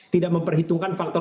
tidak memperhitungkan faktor